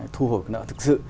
thu hồi nợ thực sự